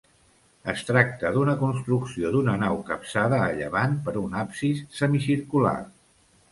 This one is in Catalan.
Es tracta d'una construcció d'una nau capçada a llevant per un absis semicircular.